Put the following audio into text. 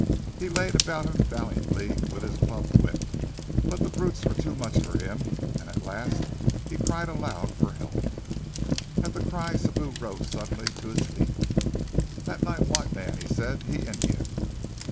He laid about him valiantly with his clubbed whip, but the brutes were too much for him, and at last he cried aloud for help. At the cry Sibou rose suddenly to his feet. "That not white man," he said. "He Indian!"